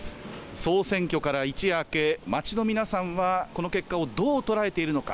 総選挙から一夜明け町の皆さんはこの結果をどう捉えているのか。